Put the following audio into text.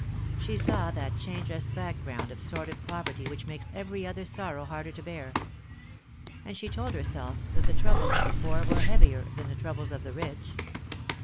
She saw that changeless background of sordid poverty which makes every other sorrow harder to bear ; and she told herself that the troubles of the poor were heavier than the troubles of the rich.